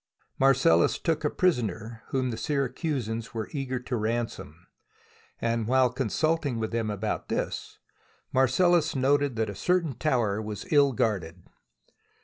Marcellus took a prisoner whom the Syracusans were eager to ransom, and while consulting with them about this, Marcellus noted that a certain tower was ill guarded.